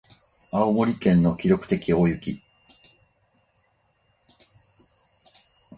青森県の記録的大雪